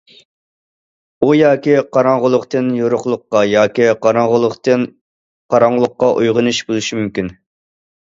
ئۇ ياكى قاراڭغۇلۇقتىن يورۇقلۇققا ياكى قاراڭغۇلۇقتىن قاراڭغۇلۇققا ئويغىنىش بولۇشى مۇمكىن.